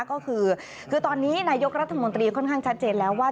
ก็คือคือตอนนี้นายกรัฐมนตรีค่อนข้างชัดเจนแล้วว่า